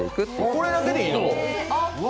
それだけでいいの？